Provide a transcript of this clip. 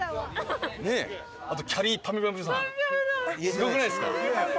すごくないですか？